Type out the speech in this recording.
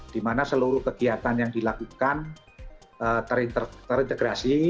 dimana seluruh kegiatan yang dilakukan terintegrasi